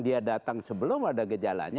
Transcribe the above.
dia datang sebelum ada gejalanya